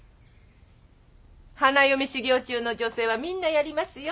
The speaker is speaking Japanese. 花嫁修業中の女性はみんなやりますよ。